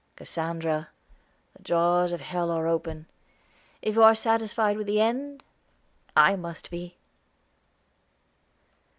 "Cassandra, the jaws of hell are open. If you are satisfied with the end, I must be."